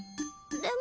でも。